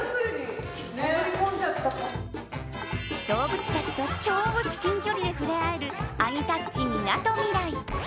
動物たちと超至近距離で触れ合えるアニタッチみなとみらい。